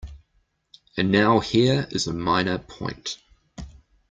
And now here is a minor point.